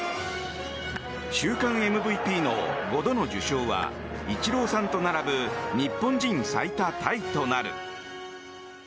週間ＭＶＰの５度の受賞はイチローさんと並ぶ日本人最多タイとなる。